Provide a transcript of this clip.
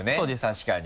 確かに。